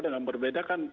dengan berbeda kan